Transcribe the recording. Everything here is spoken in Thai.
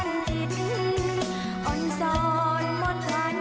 เยอะโสธรเมืองสนดนตร์ยิ่งใหญ่